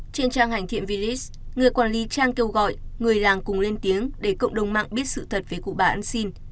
trên trang hành thiện vlis người quản lý trang kêu gọi người làng cùng lên tiếng để cộng đồng mạng biết sự thật về cụ bà ăn xin